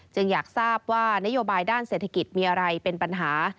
อยากทราบว่านโยบายด้านเศรษฐกิจมีอะไรเป็นปัญหา